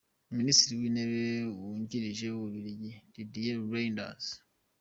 Ministre w’intebe wungirije w’Ububiligi Didier Reynders